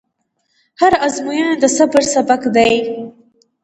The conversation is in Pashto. هره ازموینه د صبر سبق دی.